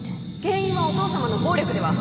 原因はお父様の暴力では？